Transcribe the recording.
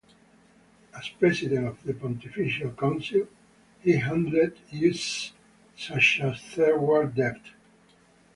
As President of the Pontifical Council, he handled issues such as Third World debt.